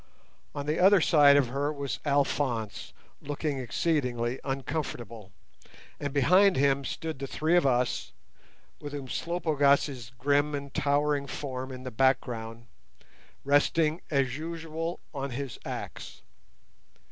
On the other side of her was Alphonse, looking exceedingly uncomfortable, and behind him stood the three of us, with Umslopogaas' grim and towering form in the background, resting, as usual, on his axe.